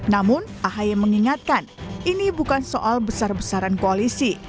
namun ahy mengingatkan ini bukan soal besar besaran koalisi